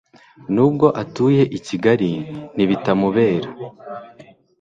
nubwo atuye i Kigali ntibitamubera